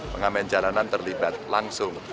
pengamen jalanan terlibat langsung